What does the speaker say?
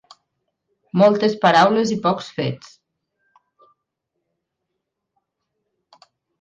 Moltes paraules i pocs fets.